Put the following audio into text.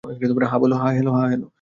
হ্যাঁ, হ্যালো!